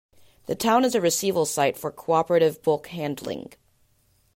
The town is a receival site for Cooperative Bulk Handling.